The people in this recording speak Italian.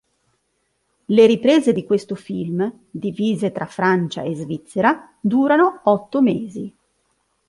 Le riprese di questo film, divise tra Francia e Svizzera, durano otto mesi.